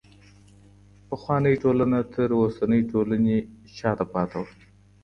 پخوانۍ ټولنه تر اوسنۍ ټولني شاته پاته وه.